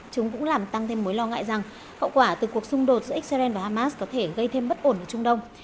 chúng cũng làm tăng thêm mối lo ngại rằng hậu quả từ cuộc xung đột giữa israel và hamas có thể gây thêm bất ổn ở trung đông